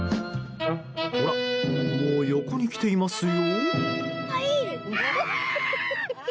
ほら、もう横に来ていますよ！